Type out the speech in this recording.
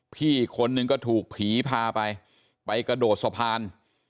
อีกคนนึงก็ถูกผีพาไปไปกระโดดสะพาน